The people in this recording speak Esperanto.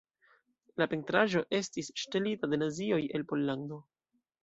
La pentraĵo estis ŝtelita de Nazioj el Pollando.